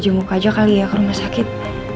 jemuk aja kali ya ke rumah sakit